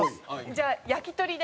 じゃあ「焼鳥」で。